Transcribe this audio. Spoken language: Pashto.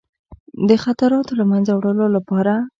د خطراتو له منځه وړلو لپاره.